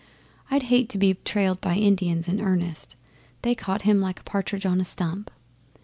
I'd hate to be trailed by Indians in earnest. They caught him like a partridge on a stump.